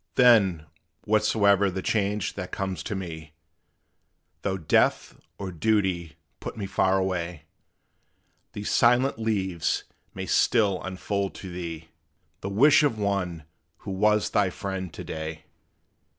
Then, whatsoe'er the change that comes to me Though death or duty put me far away, These silent leaves may still unfold to thee The wish of one who was thy friend to day.